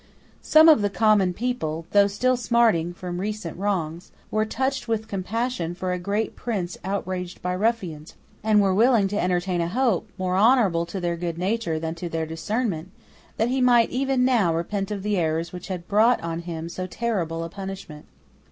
Some of the common people, though still smarting from recent wrongs, were touched with compassion for a great prince outraged by ruffians, and were willing to entertain a hope, more honourable to their good nature than to their discernment, that he might even now repent of the errors which had brought on him so terrible a punishment.